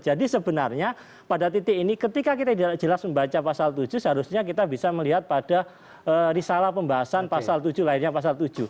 jadi sebenarnya pada titik ini ketika kita jelas membaca pasal tujuh seharusnya kita bisa melihat pada risalah pembahasan pasal tujuh lahirnya pasal tujuh